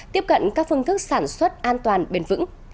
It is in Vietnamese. tiếp cận các phương thức sản xuất an toàn bền vững